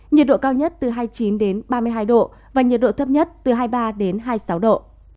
nhiệt độ cao nhất từ hai mươi chín đến ba mươi hai độ thấp nhất từ hai mươi ba đến hai mươi sáu độ